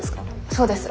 そうです。